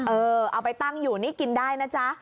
เอาไปตั้งอยู่นี่กินได้นะจ๊ะ